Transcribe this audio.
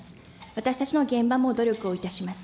私たちの現場も努力をいたします。